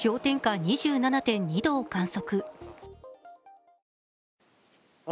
２７．２度を観測。